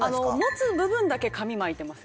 持つ部分だけ紙巻いてます。